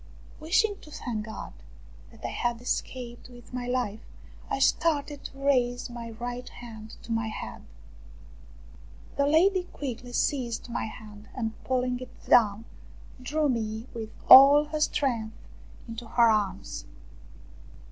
Wishing to thank God that I had escaped with my life, I started to raise my right hand to my head. The lady quickly seized my hand and pulling it down, drew me with all her strength into her arms.